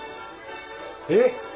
えっ！